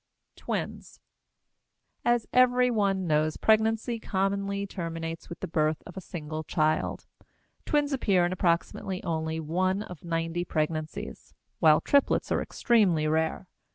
TWINS. As every one knows, pregnancy commonly terminates with the birth of a single child. Twins appear in approximately only one of ninety pregnancies, while triplets are extremely rare.